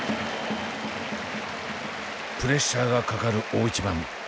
プレッシャーがかかる大一番。